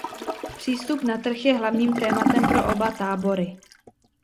Přístup na trh je hlavním tématem pro oba tábory.